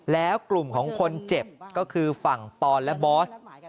แล้วกลุ่มของคนเจ็บก็คือฝั่งปอนและบอส